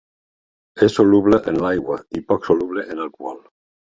És soluble en l'aigua i poc soluble en alcohol.